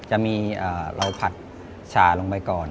จะมีเราผัดชาลงไปก่อน